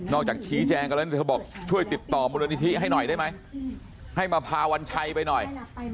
นอกจากชี้แจก็ว่าเธอบอกช่วยติดต่อมรณนิทศิษฐ์ให้หน่อยได้ไหมให้มาพาวัญชัยไปหน่อย